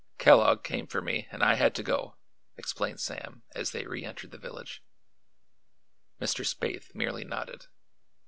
] "Kellogg came for me and I had to go," explained Sam, as they reëntered the village. Mr. Spaythe merely nodded.